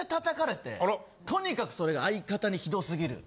とにかくそれが相方にひど過ぎる。